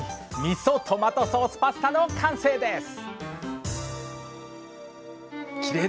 「みそトマトソースパスタ」の完成です！